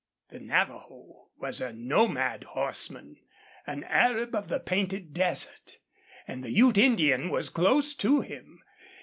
The Navajo was a nomad horseman, an Arab of the Painted Desert, and the Ute Indian was close to him.